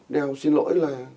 đeo xin lỗi là